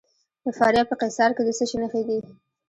د فاریاب په قیصار کې د څه شي نښې دي؟